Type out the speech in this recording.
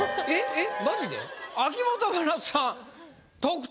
えっ？